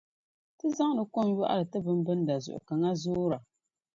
Ti zaŋdi kom yɔɣiri ti bimbinda zuɣu ka ŋa zoora.